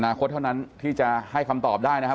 คดเท่านั้นที่จะให้คำตอบได้นะครับ